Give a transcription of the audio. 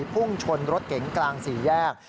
พุ่งชนรถเก๋งกลางสี่แยก